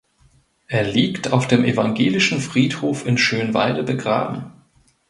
Er liegt auf dem evangelischen Friedhof in Schönwalde begraben.